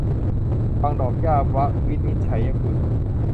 วังดอกหญ้า - ว วินิจฉัยกุล